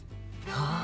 ああ。